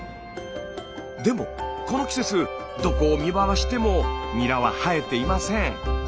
でもこの季節どこを見回してもニラは生えていません。